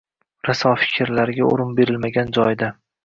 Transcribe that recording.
Raso fikrlarga o‘rin berilmagan joyda